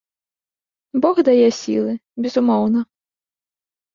Бог дае сілы, безумоўна.